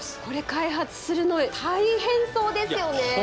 これ開発するの大変そうですよね。